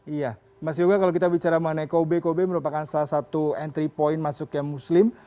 iya mas yoga kalau kita bicara mengenai kobe kobe merupakan salah satu entry point masuknya muslim